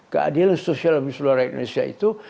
keadilan sosial dan misi luar negara indonesia itu